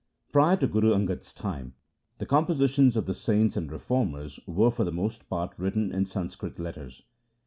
Prior to Guru Angad's time the compositions of the saints and reformers were for the most part written in Sanskrit letters.